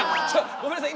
ごめんなさい